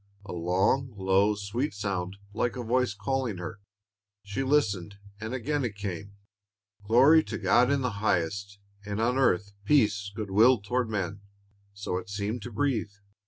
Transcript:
A long, low, sweet sound, like a voice calling her. She listened, and again it came. "Glory to God in the highest, and on earth peace, good will toward men," so it seemed to breathe.